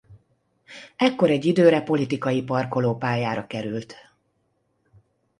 Ekkor egy időre politikai parkolópályára került.